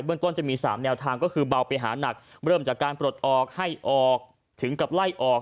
ต้นจะมี๓แนวทางก็คือเบาไปหานักเริ่มจากการปลดออกให้ออกถึงกับไล่ออก